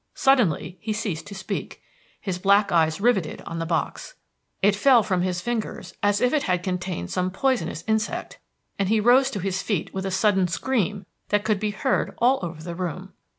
Suddenly he ceased to speak, his black eyes rivetted on the box. It fell from his fingers as if it had contained some poisonous insect, and he rose to his feet with a sudden scream that could be heard all over the room.